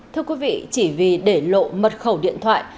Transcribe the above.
thưa quý vị chỉ vì để lộ mật khẩu điện thoại